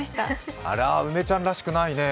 あら、梅ちゃんらしくないね。